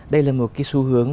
đây là một cái xu hướng